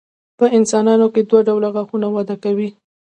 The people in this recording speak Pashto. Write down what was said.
په انسانانو کې دوه ډوله غاښونه وده کوي.